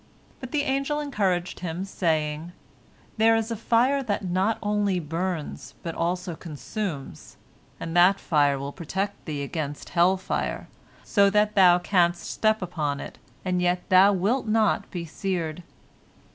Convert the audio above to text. But the angel encouraged him, saying, "There is a fire that not only burns but also consumes, and that fire will protect thee against hell fire, so that thou canst step upon it, and yet thou wilt not be seared."